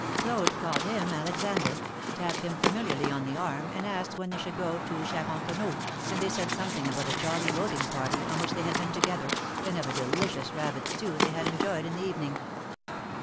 Claude called him Alexander, tapped him familiarly on the arm, and asked when they should go to Charentoneau, and they said something about a jolly boating party on which they had been together, and of a delicious rabbit stew they had enjoyed in the evening.